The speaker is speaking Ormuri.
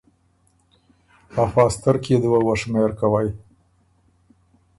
” افا سترکيې دُوه وه شمېر کوئ“